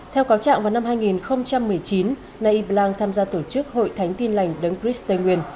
theo cáo trạng vào năm hai nghìn một mươi chín nay yip lang tham gia tổ chức hội thánh tin lành đấng cris tây nguyên